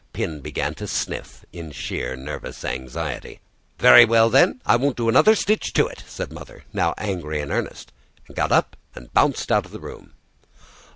Pin began to sniff, in sheer nervous anxiety. "Very well then, I won't do another stitch to it!" and Mother, now angry in earnest, got up and bounced out of the room.